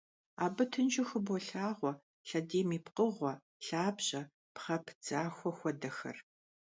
Абы тыншу хыболъагъуэ лъэдийм и пкъыгъуэ, лъабжьэ, пхъэ пыдзахуэ хуэдэхэр.